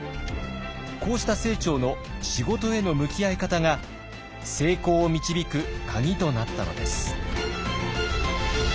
こうした清張の仕事への向き合い方が成功を導く鍵となったのです。